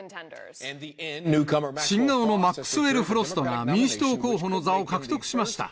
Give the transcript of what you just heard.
新顔のマックスウェル・フロストが、民主党候補の座を獲得しました。